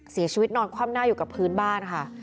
เสียชีวิตนอนความหน้าอยู่กับพื้นบ้านค่ะ